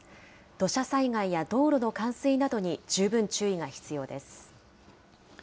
土砂災害や道路の冠水などに十分注意が必要です。